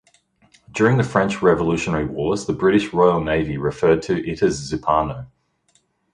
During the French Revolutionary Wars, the British Royal Navy referred to it as Zupano.